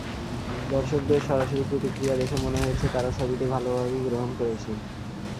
দর্শকদের সরাসরি প্রতিক্রিয়া দেখে মনে হয়েছে, তাঁরা ছবিটি ভালোভাবেই গ্রহণ করেছেন।